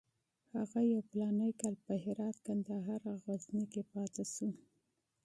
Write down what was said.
هغه یو فلاني کال په هرات، کندهار او غزني کې پاتې شو.